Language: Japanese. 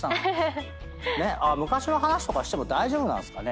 昔の話とかしても大丈夫ですかね？